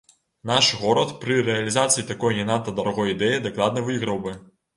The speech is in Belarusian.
Наш горад пры рэалізацыі такой не надта дарагой ідэі дакладна выйграў бы!